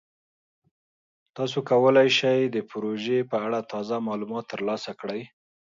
تاسو کولی شئ د پروژې په اړه تازه معلومات ترلاسه کړئ.